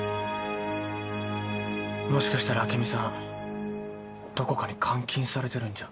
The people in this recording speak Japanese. もしかしたら朱美さんどこかに監禁されてるんじゃ？